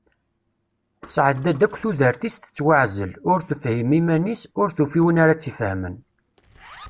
Tesεedda-d akk tudert-is tettwaεzel, ur tefhim iman-is, ur tufi win ara tt-ifehmen.